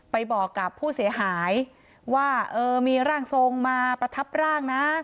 ไปบอกกับผู้เสียหายว่าเออมีร่างทรงมาประทับร่างนะ